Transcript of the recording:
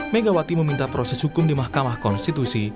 megawati meminta proses hukum di mahkamah konstitusi